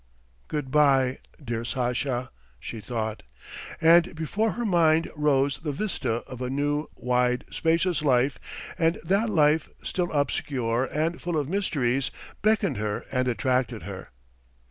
"Good bye, dear Sasha," she thought, and before her mind rose the vista of a new, wide, spacious life, and that life, still obscure and full of mysteries, beckoned her and attracted her.